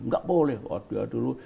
nggak boleh aduh aduh